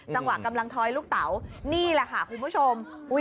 กำลังถอยลูกเต๋านี่แหละค่ะคุณผู้ชม